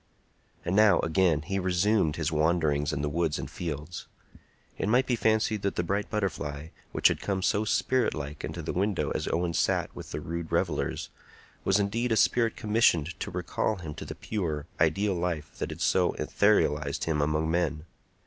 And now, again, he resumed his wanderings in the woods and fields. It might be fancied that the bright butterfly, which had come so spirit like into the window as Owen sat with the rude revellers, was indeed a spirit commissioned to recall him to the pure, ideal life that had so etheralized him among men.